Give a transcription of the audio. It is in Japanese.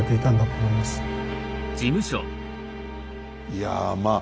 いやまあ